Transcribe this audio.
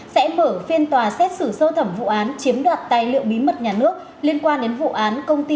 xin chào và hẹn gặp lại